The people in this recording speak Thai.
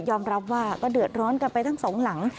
รับว่าก็เดือดร้อนกันไปทั้งสองหลัง